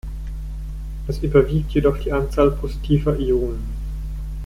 Es überwiegt jedoch die Anzahl positiver Ionen.